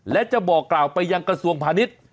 และจะบอกกล่าวไปยังกระทรวงพาณิชย์